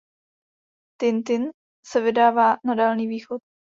Tintin se vydává na Dálný východ.